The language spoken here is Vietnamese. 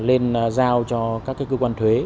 lên giao cho các cơ quan thuế